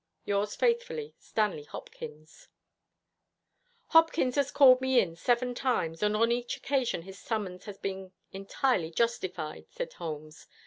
Yours faithfully, STANLEY HOPKINS 'Hopkins has called me in seven times, and on each occasion his summons has been entirely justified,' said Holmes.